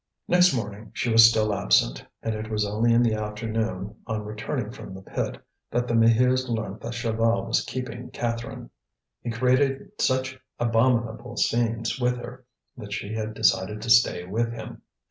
Next morning she was still absent; and it was only in the afternoon, on returning from the pit, that the Maheus learnt that Chaval was keeping Catherine. He created such abominable scenes with her that she had decided to stay with him.